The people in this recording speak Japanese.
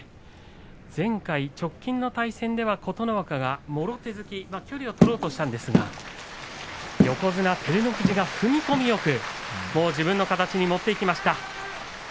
前回直近の対戦では琴ノ若がもろ手突き、距離を取ろうとして横綱照ノ富士が踏み込みよく自分の形に持っていきました。